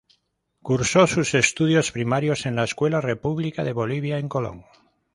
Cursó sus estudios primarios en la Escuela República de Bolivia, en Colón.